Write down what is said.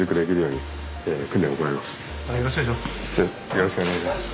よろしくお願いします。